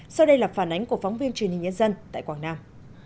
sau đây là phản ánh của phóng viên truyền hình nhân dân tại quảng nam